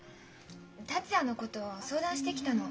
達也のことを相談してきたの。